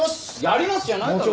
やりますじゃないだろ！